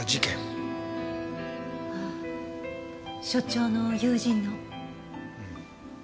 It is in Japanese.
ああ所長の友人の。